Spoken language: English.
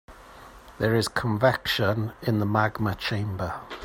There is convection in the magma chamber.